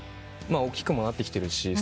大きくもなってきてるし。